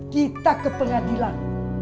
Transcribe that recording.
kita ke pengadilan